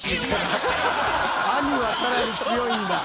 兄は更に強いんだ。